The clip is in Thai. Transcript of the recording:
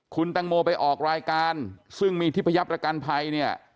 คุณตังโมไปออกรายการซึ่งมีทิพยับประกันภัยเนี่ย